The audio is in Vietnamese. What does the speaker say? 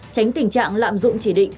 tránh tình trạng lạm dụng chỉ định